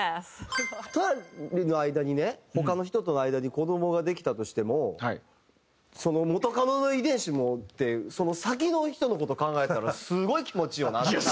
２人の間にね他の人との間に子どもができたとしてもその元カノの遺伝子もって先の人の事考えたらすごい気持ちよな。